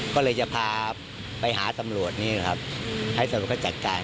ก็เลยจะพาไปหาตำรวจนี่แหละครับให้ตำรวจเขาจัดการ